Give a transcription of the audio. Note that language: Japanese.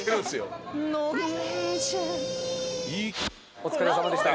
お疲れさまでした。